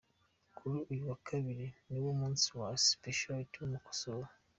Kuri uyu wa Kabiri ni nawo munsi wa 'specialité' y'umusokoro.